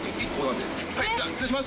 じゃ失礼します。